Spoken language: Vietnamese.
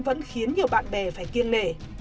vẫn khiến nhiều bạn bè phải kiên nể